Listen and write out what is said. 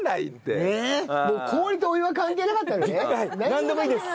なんでもいいです。